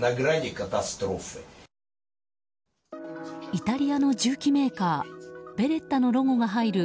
イタリアの銃器メーカーベレッタのロゴが入る